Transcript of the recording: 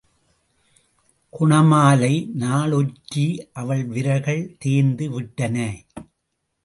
குணமாலை? நாள் ஒற்றி அவள் விரல்கள் தேய்ந்து விட்டன.